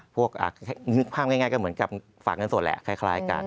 นึกภาพง่ายก็เหมือนกับฝากเงินสดแหละคล้ายกัน